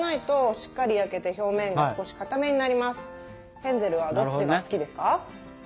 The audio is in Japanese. ヘンゼルはどっちが好きですか？